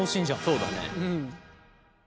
そうだね。